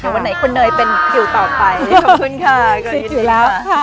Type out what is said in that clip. อย่างว่าไหนคุณเนยเป็นคิวต่อไปขอบคุณค่ะ